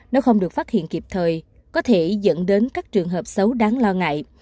nếu không được phát hiện kịp thời có thể dẫn đến các trường hợp xấu đáng lo ngại